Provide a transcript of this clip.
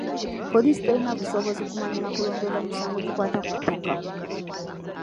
Poliisi terina busobozi kumanya na kulondoola misango gikwata ku ttaka.